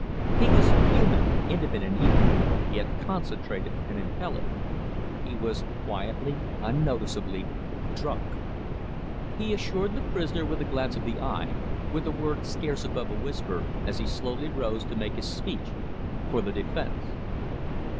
He was human, intimate and eager, yet concentrated and impelling: he was quietly, unnoticeably drunk. He assured the prisoner with a glance of the eye, with a word scarce above a whisper, as he slowly rose to make his speech for the defence.